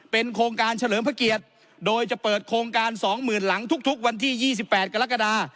เป็นโครงการเฉลิมพระเกียรติโดยจะเปิดโครงการ๒๐๐๐หลังทุกวันที่๒๘กรกฎา